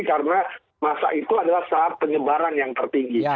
karena masa itu adalah saat penyebaran yang tertinggi